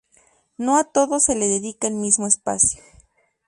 No a todos se le dedica el mismo espacio.